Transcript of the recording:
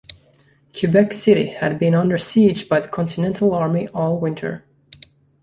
Quebec City had been under siege by the Continental Army all winter.